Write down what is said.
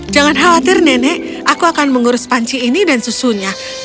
jangan khawatir nenek aku akan mengurus panci ini dan susunya